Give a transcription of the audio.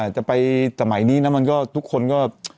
จะไปสมัยนี้นะมันก็ทุกคนก็